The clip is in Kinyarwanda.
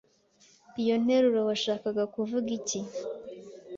Iyi nteruro washakaga kuvuga iki?